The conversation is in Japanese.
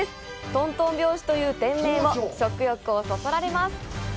「豚とん拍子」という店名も食欲をそそられます！